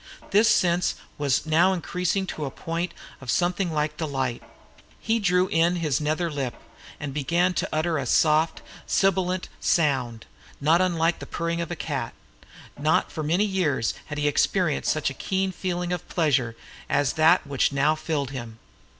This sense was now increasing to a point of something like delight. He drew in his nether lip, and began to utter a soft, sibilant sound, not unlike the purring of a cat. Not for many years had he experienced such a keen feeling of pleasure as that which now filled him.